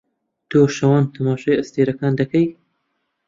تۆ شەوان تەماشای ئەستێرەکان دەکەی؟